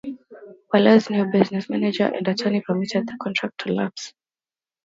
Welles's new business manager and attorney permitted the contract to lapse.